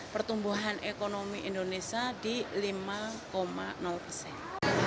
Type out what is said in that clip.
pertumbuhan ekonomi indonesia di lima persen